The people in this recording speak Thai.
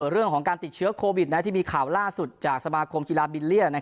เรื่องของการติดเชื้อโควิดที่มีข่าวล่าสุดจากสมาคมกีฬาบิลเลีย